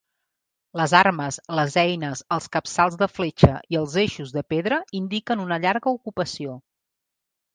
Les armes, les eines, els capçals de fletxa i els eixos de pedra indiquen una llarga ocupació.